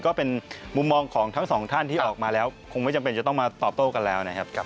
ก็เป็นมุมมองของทั้งสองท่านที่ออกมาแล้วคงไม่จำเป็นจะต้องมาตอบโต้กันแล้วนะครับ